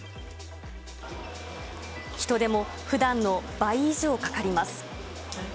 人手もふだんの倍以上かかります。